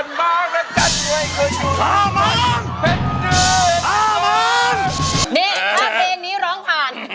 นี่ถ้าเพลงนี้ร้องผ่าน